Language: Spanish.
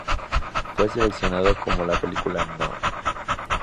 Fue seleccionado como la película No.